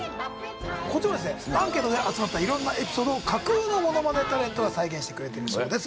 こちらはアンケートで集まったいろんなエピソードを架空のものまねタレントが再現してくれてるそうです。